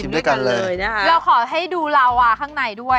ด้วยกันเลยนะคะเราขอให้ดูลาวาข้างในด้วย